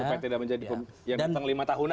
supaya tidak menjadi yang datang lima tahunan